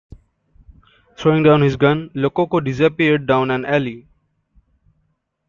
Throwing down his gun, Lococo disappeared down an alley.